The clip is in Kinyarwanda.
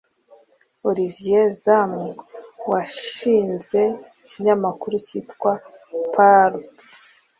Olivier Zahm, washinze ikinyamakuru cyitwa Purple,